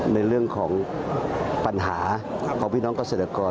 ในเรื่องของปัญหาของพี่น้องเกษตรกร